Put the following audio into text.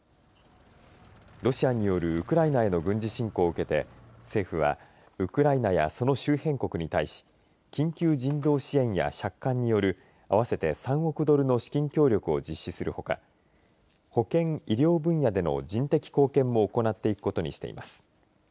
ロシアによるウクライナへの軍事侵攻を受けて政府はウクライナやその周辺国に対し緊急人道支援や借款による合わせて３億ドルの資金協力を実施するほか保健・医療分野での人的貢献も行っていくことにしています。